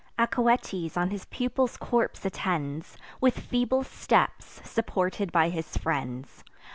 Acoetes on his pupil's corpse attends, With feeble steps, supported by his friends.